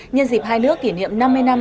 nhân dịp hai nước kỷ niệm năm mươi năm